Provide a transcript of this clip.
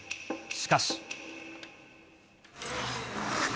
しかし。